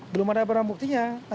belum ada barang buktinya